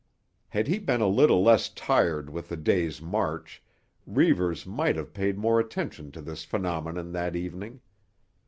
Had he been a little less tired with the day's march Reivers might have paid more attention to this phenomenon that evening.